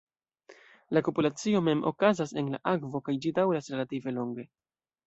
La kopulacio mem okazas en la akvo kaj ĝi daŭras relative longe.